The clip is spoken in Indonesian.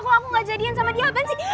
kok aku gak jadian sama dia apaan sih